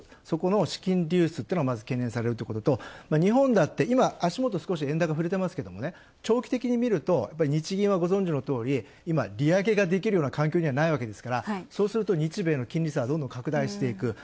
そこの資金流出というのがまず懸念されるところと、日本だって今、足元少し円高ふれてますけど、長期的に見ると日銀はご存じのとおり今、利上げができるような環境にはないわけですからそうすると日米の金利差はどんどん拡大していく。